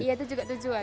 iya itu juga tujuan